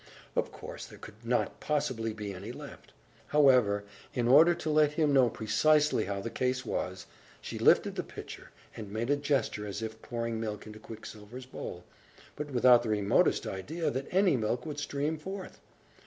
Of course, there could not possibly be any left. However, in order to let him know precisely how the case was, she lifted the pitcher, and made a gesture as if pouring milk into Quicksilver's bowl, but without the remotest idea that any milk would stream forth.